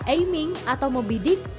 aiming atau membidik